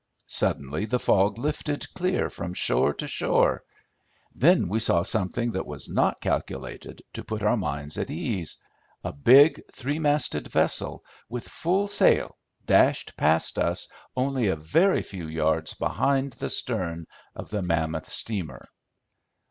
Suddenly the fog lifted clear from shore to shore. Then we saw something that was not calculated to put our minds at ease. A big three masted vessel, with full sail, dashed past us only a very few yards behind the stern of the mammoth steamer.